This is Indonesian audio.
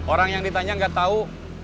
orang yang ditanya gak tau